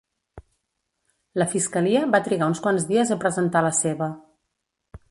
La fiscalia va trigar uns quants dies a presentar la seva.